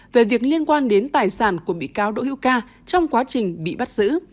về việc liên quan đến tài sản của bị cáo đỗ hữu ca trong quá trình bị bắt giữ